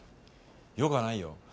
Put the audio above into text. よくはないよ。